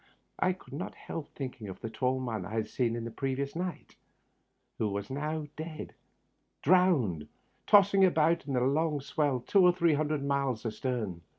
I could not help thinking of the tall man I had seen on the previous night, who was now dead, drowned, tossing about in the long swell, two or three hundred miles astern.